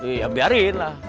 ya biarin lah